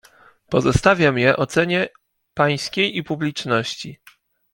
"Pozostawiam je ocenie pańskiej i publiczności."